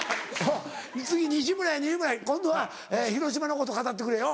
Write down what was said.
次西村や今度は広島のこと語ってくれよ。